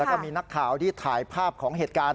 แล้วก็มีนักข่าวที่ถ่ายภาพของเหตุการณ์